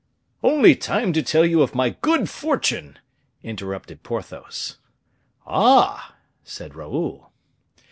"Only time to tell you of my good fortune," interrupted Porthos. "Ah!" said Raoul.